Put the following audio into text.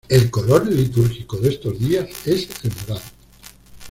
El color litúrgico de estos días es el morado.